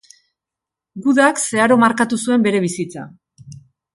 Gudak zeharo markatu zuen bere bizitza.